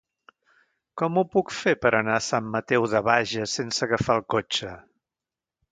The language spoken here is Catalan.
Com ho puc fer per anar a Sant Mateu de Bages sense agafar el cotxe?